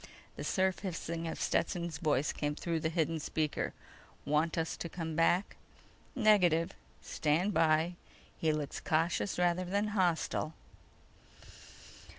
_ The surf hissing of Stetson's voice came through the hidden speaker: "Want us to come back?" _"Negative. Stand by. He looks cautious rather than hostile."